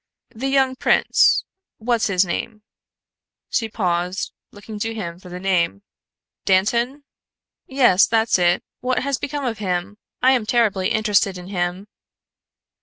"The young prince what's his name?" she paused, looking to him for the name. "Dantan?" "Yes, that's it. What has become of him? I am terribly interested in him."